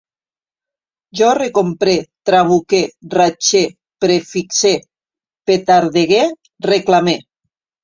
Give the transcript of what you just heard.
Jo recompre, trabuque, ratxe, prefixe, petardege, reclame